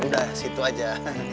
sudah situ saja